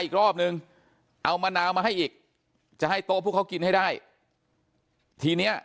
อีกรอบนึงเอามะนาวมาให้อีกจะให้โต๊ะพวกเขากินให้ได้ทีเนี้ย